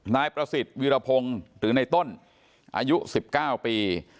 นายประสิทธิ์วิรพงศ์หรือในต้นอายุ๑๙ปี